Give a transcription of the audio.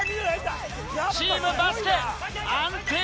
チームバスケ安定の。